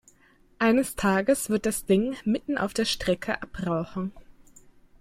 Eines Tages wird das Ding mitten auf der Strecke abrauchen.